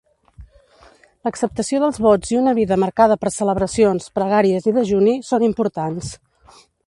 L'acceptació dels vots i una vida marcada per celebracions, pregàries i dejuni, són importants.